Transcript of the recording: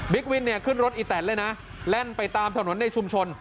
บิ๊กวินขึ้นรถอีแตดแลนด์ไปตามถนนในชุมชน